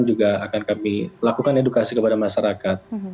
juga akan kami lakukan edukasi kepada masyarakat